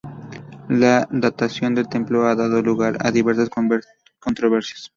La datación del templo ha dado lugar a diversas controversias.